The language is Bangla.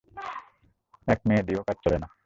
এক মেয়ে দিয়েও কাজ চলে না।